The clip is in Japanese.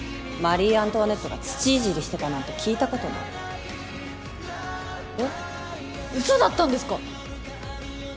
マリー・アントワネットが土いじりしてたなんて聞いたことないえっウソだったんですか？